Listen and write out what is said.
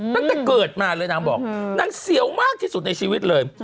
ตั้งแต่เกิดมาเลยนางบอกนางเสียวมากที่สุดในชีวิตเลย